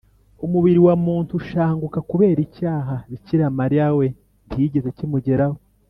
umubiri wa muntu ushanguka kubera icyaha. bikira mariya we ntikigeze kimugeraho